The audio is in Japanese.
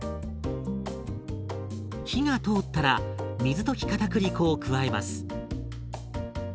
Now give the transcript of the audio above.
火が通ったら水溶きかたくり粉を加えます。